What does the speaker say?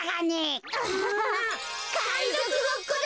かいぞくごっこだ！